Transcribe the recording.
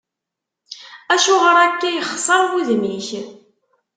Acuɣer akka yexseṛ wudem-ik?